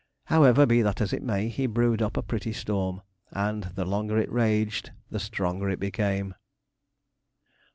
However, be that as it may, he brewed up a pretty storm, and the longer it raged the stronger it became.